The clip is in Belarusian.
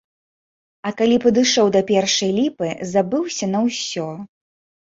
А калі падышоў да першай ліпы, забыўся на ўсё.